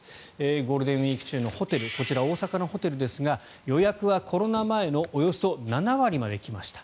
ゴールデンウィーク中のホテルこちら、大阪のホテルですが予約はコロナ前のおよそ７割まで来ました。